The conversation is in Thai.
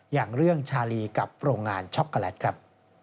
อย่างเรื่องชาลีกับโรงงานช็อกโกแลตครับ